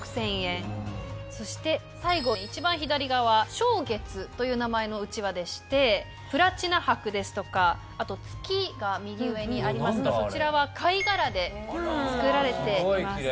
そして最後一番左側「照月」という名前のうちわでしてプラチナ箔ですとかあと月が右上にありますがそちらは貝殻で作られています。